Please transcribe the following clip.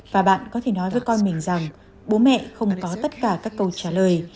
và bạn có thể nói với con mình rằng bố mẹ không có tất cả các câu trả lời